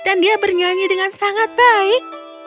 dan dia bernyanyi dengan sangat baik